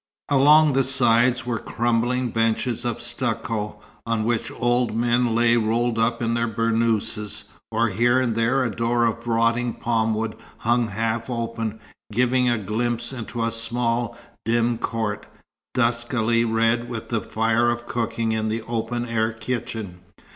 Along the sides were crumbling benches of stucco, on which old men lay rolled up in their burnouses; or here and there a door of rotting palm wood hung half open, giving a glimpse into a small, dim court, duskily red with the fire of cooking in an open air kitchen.